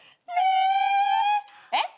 えっ？